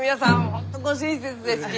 本当ご親切ですき。